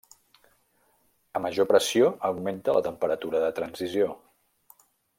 A major pressió augmenta la temperatura de transició.